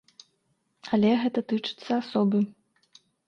Але гэта тычыцца асобы.